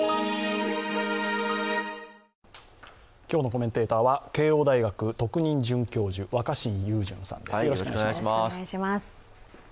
今日のコメンテーターは慶応大学特任准教授、若新雄純さんです。